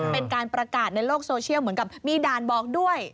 เป็นการประกาศในโลกโซเชียลเหมือนกับมีด่านบอกด้วย